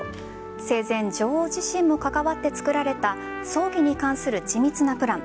生前、女王自身も関わってつくられた葬儀に関する緻密なプラン